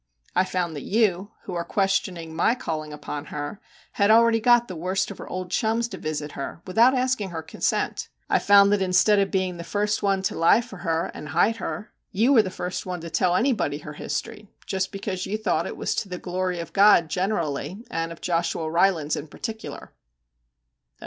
I found that you, who are questioning my calling upon her, had already got the worst of her old chums to visit her without asking her consent; I found that instead of being the first one to lie for her and hide her, you were MR. JACK HAMLIN'S MEDIATION 61 the first one to tell anybody her history, just because you thought it was to the glory of God, generally, and of Joshua Rylands in particular.'